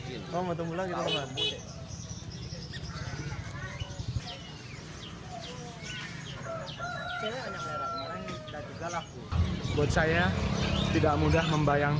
kter descendarkan dengan nembatan